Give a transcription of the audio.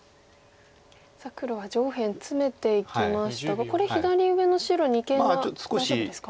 さあ黒は上辺ツメていきましたがこれ左上の白二間は大丈夫ですか？